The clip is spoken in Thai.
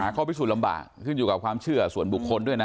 ข้อพิสูจนลำบากขึ้นอยู่กับความเชื่อส่วนบุคคลด้วยนะ